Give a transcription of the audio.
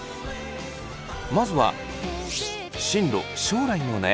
まずは進路将来の悩みから。